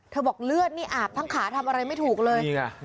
บอกเลือดนี่อาบทั้งขาทำอะไรไม่ถูกเลย